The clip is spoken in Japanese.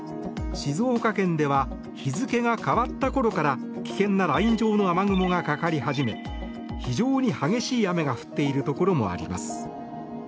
静岡県では日付が変わったころから危険なライン状の雨雲がかかり始め、非常に激しい雨が降っているところもあります。